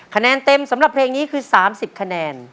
คะแนนเต็มสำหรับเพลงนี้คือ๓๐คะแนน